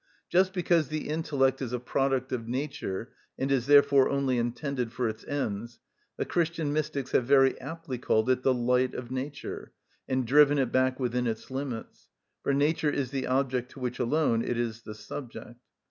Just because the intellect is a product of nature, and is therefore only intended for its ends, the Christian mystics have very aptly called it "the light of nature," and driven it back within its limits; for nature is the object to which alone it is the subject.